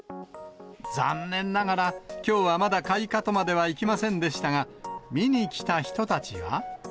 残念ながら、きょうはまだ開花とまではいきませんでしたが、見に来た人たちは。